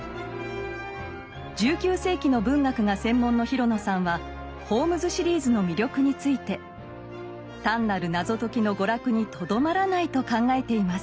１９世紀の文学が専門の廣野さんはホームズ・シリーズの魅力について単なる謎解きの娯楽にとどまらないと考えています。